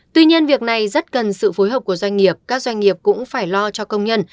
tuy nhiên việc này rất cần sự phối hợp của doanh nghiệp các doanh nghiệp cũng phải lo cho công nhân